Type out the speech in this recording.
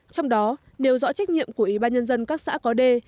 trong đó điều dõi trách nhiệm của ủy ban nhân dân các xã có đê